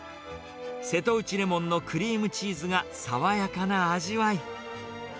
瀬戸内レモンのクリームチーズが爽やかな味わい。